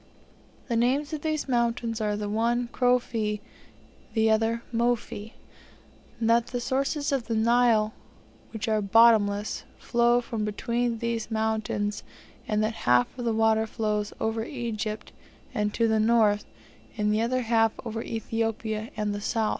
The names of these mountains are the one Crophi, the other Mophi; that the sources of the Nile, which are bottomless, flow from between these mountains and that half of the water flows over Egypt and to the north, the other half over Ethiopia and the south.